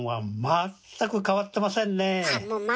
全く変わってません。